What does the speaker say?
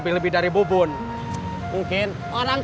mereka satu temen gitu ya ngg